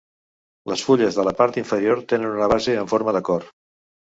Les fulles de la part inferior tenen una base amb forma de cor.